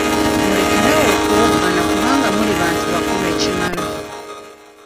Mulekere awo okuwoggana kubanga muli bantu bakulu ekimala.